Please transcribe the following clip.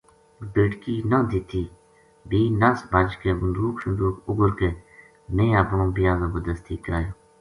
بیٹکی نہ دِتی بھی نس بھج کے بندوق شندوق اُگر کے میں اپنو بیاہ زبردستی کرایو